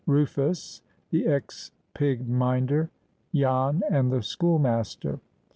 —RUFUS.—THE EX PIG MINDER.—JAN AND THE SCHOOLMASTER.